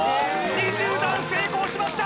２０段成功しました！